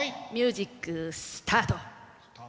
ミュージックスタート！